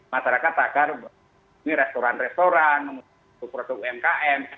masyarakat agar restoran restoran produk umkm